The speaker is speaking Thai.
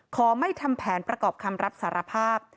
ไม่ทำแผนประกอบคำรับสารภาพ